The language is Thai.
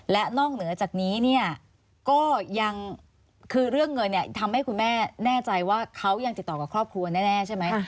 และนอกเหนือจากนี้เนี่ยก็ยังคือเรื่องเงินเนี่ยทำให้คุณแม่แน่ใจว่าเขายังติดต่อกับครอบครัวแน่ใช่ไหม